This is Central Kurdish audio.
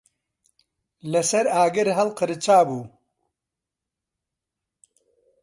لەسەر ئاگر هەڵقرچابوو.